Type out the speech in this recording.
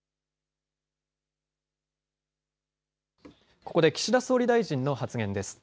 ここで岸田総理大臣の発言です。